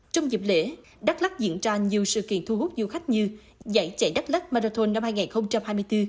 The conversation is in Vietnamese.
trong dịp lễ đắk lắc diễn ra nhiều sự kiện thu hút du khách như giải chạy đắk lắc marathon năm hai nghìn hai mươi bốn